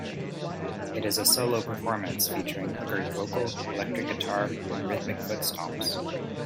It is a solo performance featuring Hooker's vocal, electric guitar, and rhythmic foot stomps.